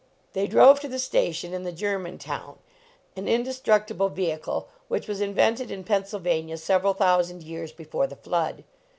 They drove to the station in the German town, an indestructible vehicle which was in vented in Pennsylvania several thousand years before the flood.